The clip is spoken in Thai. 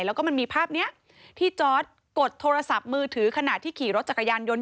แล้วก็มันมีภาพนี้ที่จอร์ดกดโทรศัพท์มือถือขณะที่ขี่รถจักรยานยนต์